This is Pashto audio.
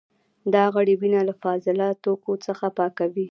دا غړي وینه له فاضله توکو څخه پاکوي.